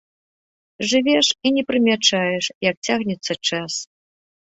Жывеш і не прымячаеш, як цягнецца час.